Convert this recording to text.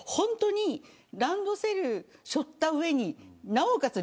ランドセルしょった上になおかつ